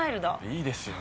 いいですよ。